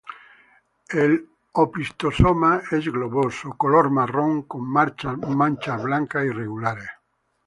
El opistosoma es globoso, color marrón con marchas blancas irregulares.